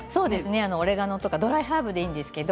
オレガノとかドライハーブでいいんです。